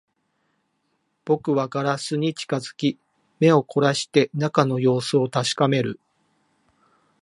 僕はガラスに近づき、目を凝らして中の様子を確かめる